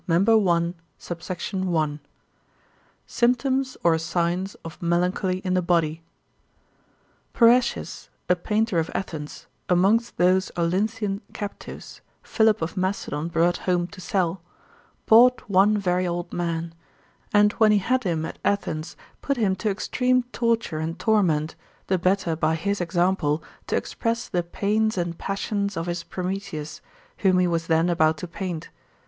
MEMB. I. SUBSECT. I.—Symptoms, or Signs of Melancholy in the Body. Parrhasius, a painter of Athens, amongst those Olynthian captives Philip of Macedon brought home to sell, bought one very old man; and when he had him at Athens, put him to extreme torture and torment, the better by his example to express the pains and passions of his Prometheus, whom he was then about to paint.